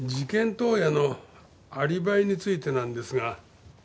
当夜のアリバイについてなんですが。